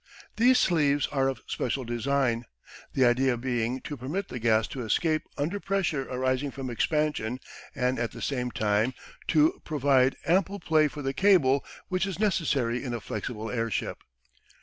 These sleeves are of special design, the idea being to permit the gas to escape under pressure arising from expansion and at the same time to provide ample play for the cable which is necessary in a flexible airship.